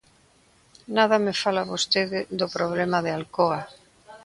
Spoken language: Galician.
Nada me fala vostede do problema de Alcoa.